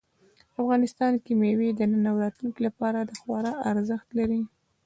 افغانستان کې مېوې د نن او راتلونکي لپاره خورا ارزښت لري.